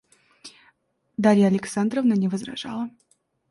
Дарья Александровна не возражала.